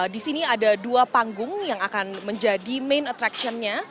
disini ada dua panggung yang akan menjadi main attractionnya